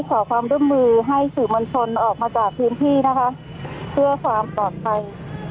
ขอความร่วมมือให้สื่อมวลชนออกมาจากพื้นที่นะคะเพื่อความปลอดภัย